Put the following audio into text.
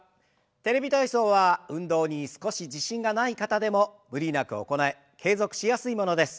「テレビ体操」は運動に少し自信がない方でも無理なく行え継続しやすいものです。